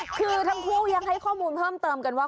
คือทั้งคู่ยังให้ข้อมูลเพิ่มเติมกันว่า